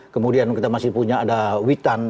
kemudian kita masih punya ada witan